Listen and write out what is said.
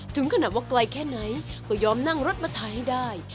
ถึงขนาดว่าไกลแค่ไหนก็ยอมนั่งรถมาถ่ายให้ได้